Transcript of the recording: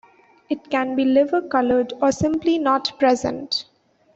It can be liver colored or simply not present.